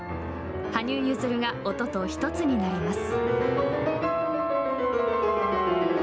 羽生結弦が音と一つになります。